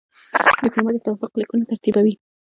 ډيپلومات د توافق لیکونه ترتیبوي.